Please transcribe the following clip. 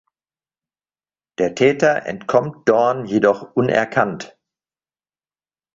Der Täter entkommt Dorn jedoch unerkannt.